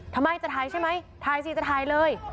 ทำไมจะถ่ายใช่ไหมถ่ายสิจะถ่ายเลย